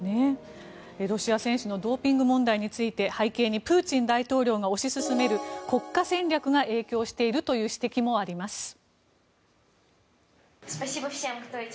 ロシア選手のドーピング問題について背景にプーチン大統領が推し進める国家戦略が影響しているという指摘もあります。